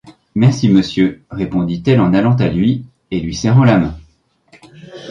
Merci, monsieur, répondit-elle en allant à lui et lui serrant la main.